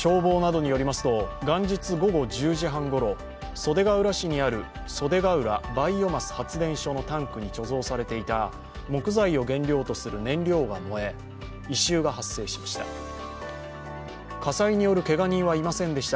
袖ケ浦市にある袖ケ浦バイオマス発電所のタンクに貯蔵されていた貯蔵されていた木材を原料とする燃料が燃え、異臭が発生しました。